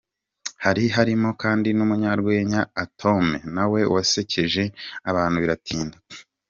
Hari harimo kandi n’umunyarwenya Atome, nawe wasekeje abantu biratinda.